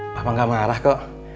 bapak gak marah kok